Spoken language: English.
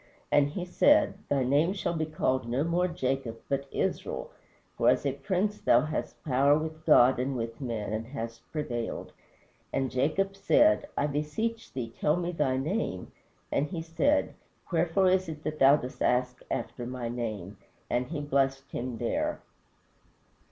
And he said, Thy name shall be called no more Jacob, but Israel: for as a prince thou hast power with God and with men, and hast prevailed. And Jacob said, I beseech thee tell me thy name. And he said, Wherefore is it that thou dost ask after my name? And he blessed him there."